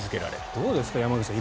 どうですか、山口さん